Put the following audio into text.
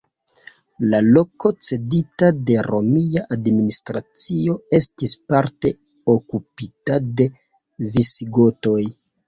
La loko cedita de romia administracio estis parte okupita de Visigotoj.